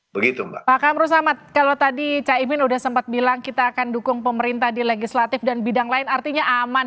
pak kamru samad kalau tadi caimin sudah sempat bilang kita akan dukung pemerintah di legislatif dan bidang lain artinya aman